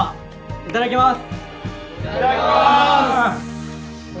いただきます！